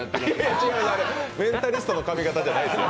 違う、メンタリストの髪形じゃないですよ。